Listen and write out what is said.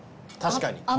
確かに。